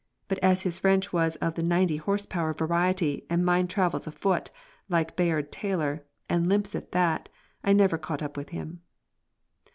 But as his French was of the ninety horse power variety and mine travels afoot, like Bayard Taylor, and limps at that, I never caught up with him.